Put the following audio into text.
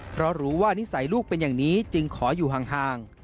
เพราะรู้ว่านิสัยลูกเป็นอย่างนี้จึงขออยู่ห่าง